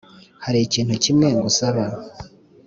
hari ikintu kimwe ngusaba